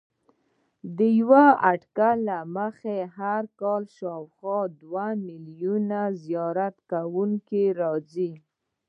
د یوه اټکل له مخې هر کال شاوخوا دوه میلیونه زیارت کوونکي راځي.